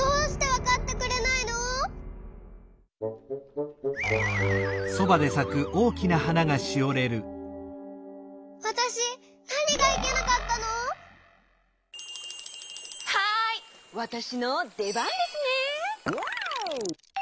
はいわたしのでばんですね！